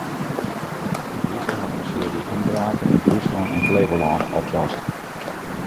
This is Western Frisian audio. De polysje hat in searje ynbraken yn Fryslân en Flevolân oplost.